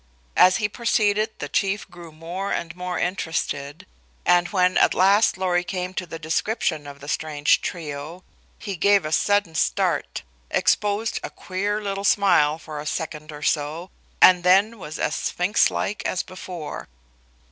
As he proceeded the Chief grew more and more interested, and, when at last Lorry came to the description of the strange trio, he gave a sudden start, exposed a queer little smile for a second or so, and then was as sphynxlike as before.